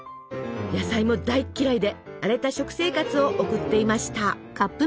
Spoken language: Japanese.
野菜も大嫌いで荒れた食生活を送っていました。